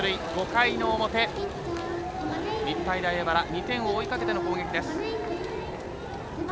５回の表の日体大荏原２点を追いかけての攻撃です。